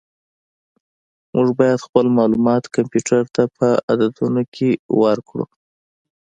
موږ باید خپل معلومات کمپیوټر ته په عددونو کې ورکړو.